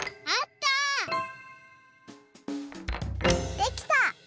できた！